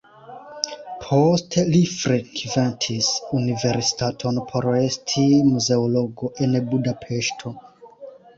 Poste li frekventis universitaton por esti muzeologo en Budapeŝto.